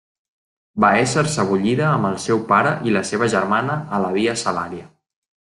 Va ésser sebollida amb el seu pare i la seva germana a la via Salaria.